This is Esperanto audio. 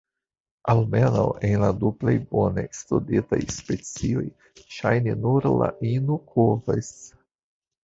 Almenaŭ en la du plej bone studitaj specioj, ŝajne nur la ino kovas.